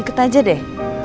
ikut aja deh